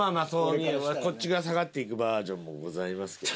こっちが下がっていくバージョンもございますけど。